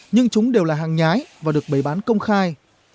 nhưng chúng đều là hàng nhái và được bày bán công khai